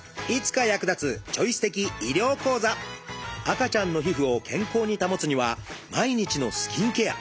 赤ちゃんの皮膚を健康に保つには毎日のスキンケア。